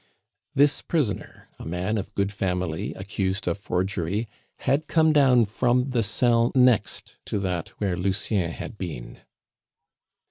This prisoner, a man of good family, accused of forgery, had come down from the cell next to that where Lucien had been.